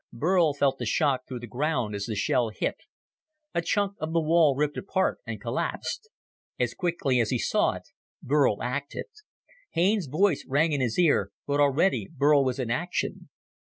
Burl felt the shock through the ground as the shell hit. A chunk of the wall ripped apart and collapsed. As quickly as he saw it, Burl acted. Haines's voice rang in his ear, but already Burl was in action.